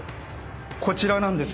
こちらなんです。